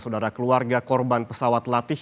saudara keluarga korban pesawat latih